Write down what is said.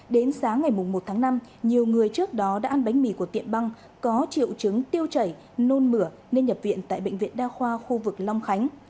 đến sáng ngày một tháng năm nhiều người trước đó đã ăn bánh mì của tiệm băng có triệu chứng tiêu chảy nôn mửa nên nhập viện tại bệnh viện đa khoa khu vực long khánh